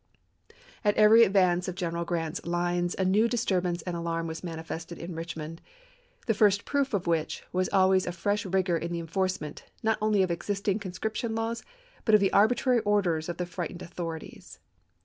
At every advance of General Grant's lines a new disturbance and alarm was manifested in Rich mond, the first proof of which was always a fresh rigor in the enforcement, not only of existing con scription laws, but of the arbitrary orders of the frightened authorities.